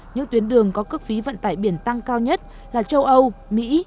một trăm một mươi những tuyến đường có cước phí vận tải biển tăng cao nhất là châu âu mỹ